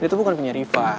dia tuh bukan punya riva